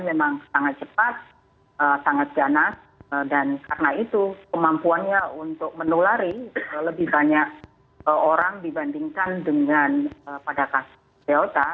memang sangat cepat sangat ganas dan karena itu kemampuannya untuk menulari lebih banyak orang dibandingkan dengan pada kasus delta